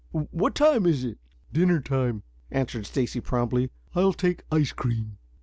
What time is it?" "Dinner time," answered Stacy promptly. "I'll take ice cream."